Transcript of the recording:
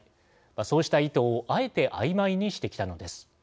そうした意図をあえてあいまいにしてきたのです。